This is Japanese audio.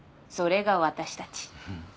それが私たち。